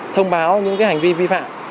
thông báo những cái hành vi vi phạm